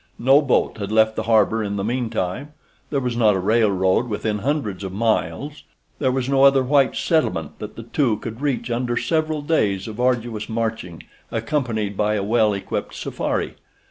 No boat had left the harbor in the meantime—there was not a railroad within hundreds of miles—there was no other white settlement that the two could reach under several days of arduous marching accompanied by a well equipped safari.